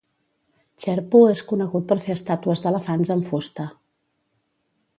Cherpu és conegut per fer estàtues d'elefants amb fusta.